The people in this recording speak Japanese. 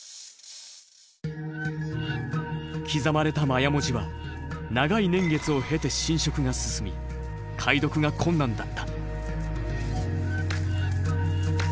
刻まれたマヤ文字は長い年月を経て浸食が進み解読が困難だった。